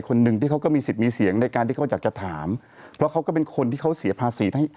คนหนึ่งที่เขาก็มีสิทธิ์มีเสียงในการที่เขาอยากจะถามเพราะเขาก็เป็นคนที่เขาเสียภาษีทั้ง